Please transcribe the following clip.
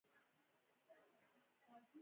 له ده سره شته پوښتنو ته يې ځواب پيدا کړ.